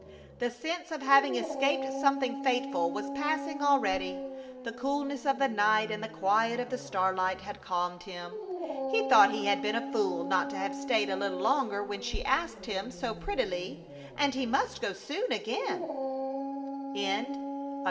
The sense of having escaped something fateful was passing already. The coolness of the night and the quiet of the starlight had calmed him. He thought he had been a fool not to have stayed a little longer when she asked him so prettily; and he must go soon again.